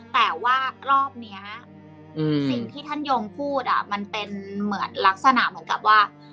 แต่ว่ารอบนี้สิ่งที่ท่านยงพูดมันเป็นเหมือนลักษณะเหมือนกับว่า